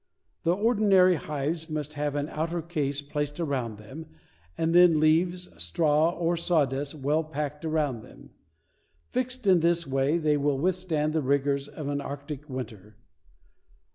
The ordinary hives must have an outer case placed around them and then leaves, straw or sawdust well packed around them. Fixed in this way they will withstand the rigors of an arctic winter.